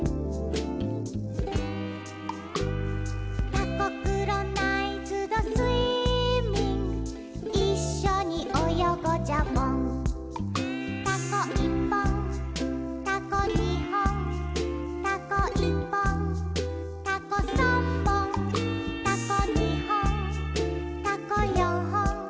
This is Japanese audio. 「タコクロナイズドスイミング」「いっしょにおよごジャボン」「タコいっぽん」「タコにほん」「タコいっぽん」「タコさんぼん」「タコにほん」「タコよんほん」